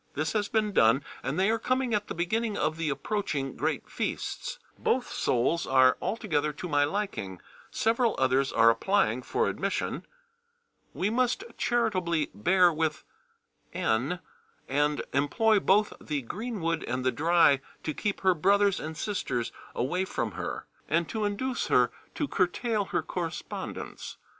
This has been done, and they are coming at the beginning of the approaching great feasts. Both souls are altogether to my liking. Several others are applying for admission.... We must charitably bear with N., and employ both the green wood and the dry to keep her brothers and sisters away from her, and to induce her to curtail her correspondence.